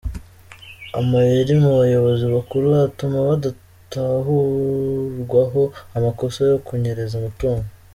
Amayeri mu bayobozi bakuru atuma badatahurwaho amakosa yo kunyereza umutungo.